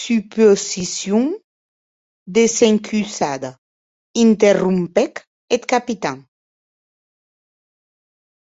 Suposicion desencusada, interrompec eth Capitan.